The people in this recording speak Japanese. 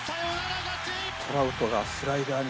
トラウトがスライダーに。